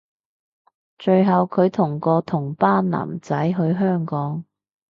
最後距同個同班男仔去香港